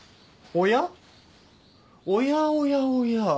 おやおやおや。